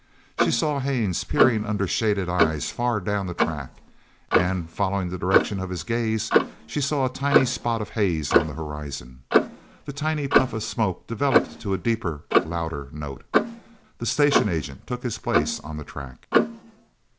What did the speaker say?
She saw Haines peering under shaded eyes far down the track, and following the direction of his gaze she saw a tiny spot of haze on the horizon. The tiny puff of smoke developed to a deeper, louder note. The station agent took his place on the track.